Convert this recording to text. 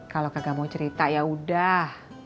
kalau kagak mau cerita ya udah